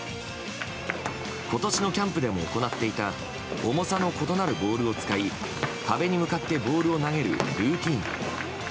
今年のキャンプでも行っていた重さの異なるボールを使い壁に向かってボールを投げるルーティン。